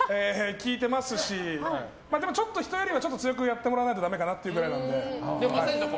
効いてますし、でも人よりは強くやってもらわないとだめかなってくらいなので。